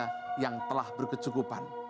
kepada anda yang telah berkecukupan